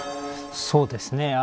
そうですね。